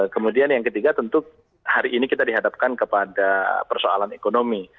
kemudian yang ketiga tentu hari ini kita dihadapkan kepada persoalan ekonomi